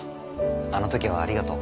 あのときはありがとう。